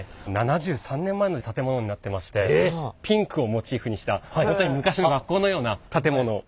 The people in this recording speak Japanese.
７３年前の建物になってましてピンクをモチーフにした本当に昔の学校のような建物になっております。